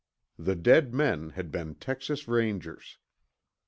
The dead men had been Texas Rangers.